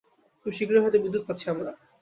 খুব শীঘ্রই হয়তো বিদ্যুত পাচ্ছি আমরা!